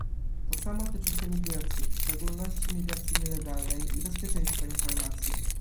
To samo tyczy się migracji - w szczególności migracji nielegalnej - i bezpieczeństwa informacji